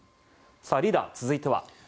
リーダー、続いては。